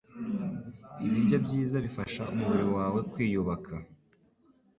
Ibiryo byiza bifasha umubiri wawe kwiyubaka